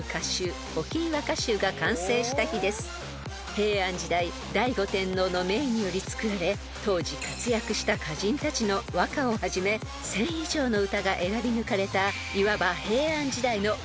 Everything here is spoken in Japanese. ［平安時代醍醐天皇の命により作られ当時活躍した歌人たちの和歌をはじめ１，０００以上の歌が選び抜かれたいわば］